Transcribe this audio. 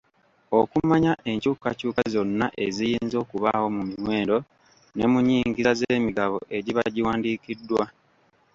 Okumanya enkyukakyuka zonna eziyinza okubaawo mu miwendo ne mu nyingiza z'emigabo egiba giwandiikiddwa.